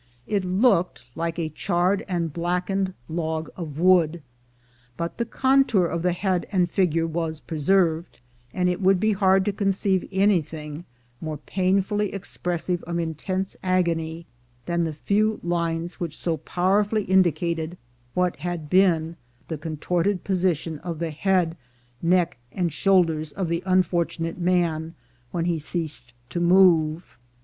It looked like a charred and blackened log of wood, but the contour of the head and figure was preserved; and it would be hard to conceive anything more painfully expres sive of intense agony than the few lines which so powerfully indicated what had been the contorted position of the head, neck, and shoulders of the un fortunate man when he ceased to move.